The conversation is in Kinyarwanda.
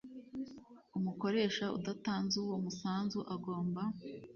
Umukoresha udatanze uwo musanzu agomba